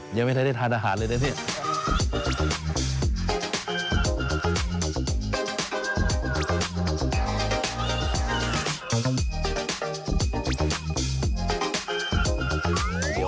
ยังไม่ได้ได้ทานอาหารเลยได้นี่